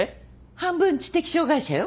半分知的障がい者よ。